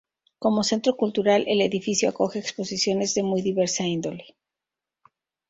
Como centro cultural, el edificio acoge exposiciones de muy diversa índole.